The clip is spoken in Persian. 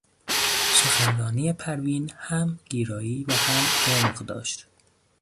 سخنرانی پروین هم گیرایی و هم عمق داشت.